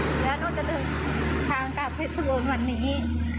แล้วหนูจะเดินทางกลับเพชรบูรณ์วันนี้